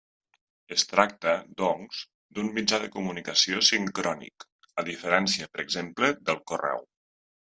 Es tracta, doncs, d'un mitjà de comunicació sincrònic, a diferència, per exemple, del correu.